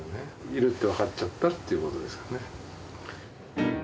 いるって分かっちゃったっていうことですかね。